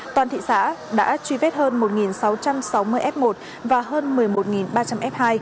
toàn thị xã đã truy vết hơn một sáu trăm sáu mươi f một và hơn một mươi một ba trăm linh f hai